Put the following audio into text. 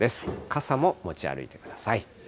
傘も持ち歩いてください。